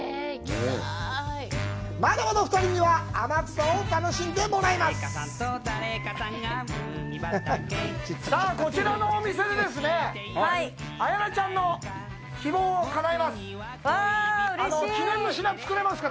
まだまだ２人には天草を楽しんでもらいますさあ、こちらのお店でですね、綾菜ちゃんの希望をかなえます。